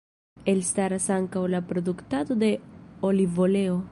Elstaras ankaŭ la produktado de olivoleo.